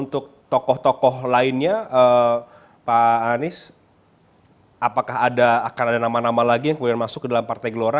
untuk tokoh tokoh lainnya pak anies apakah akan ada nama nama lagi yang kemudian masuk ke dalam partai gelora